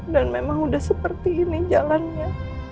dan memang udah seperti ini jalannya